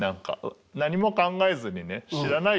何も考えずにね「知らない！